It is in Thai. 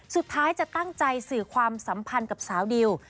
สุดท้ายจะตั้งใจสื่อความสัมพันธ์กับสาวดิว